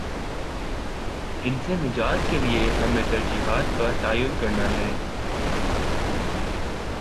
ان سے نجات کے لیے ہمیں ترجیحات کا تعین کرنا ہے۔